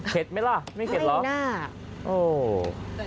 เข็ดไหมล่ะไม่เข็ดเหรอไม่นะโอ้โฮ